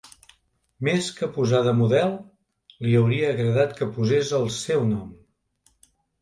Més que posar de model, li hauria agradat que posés el seu nom.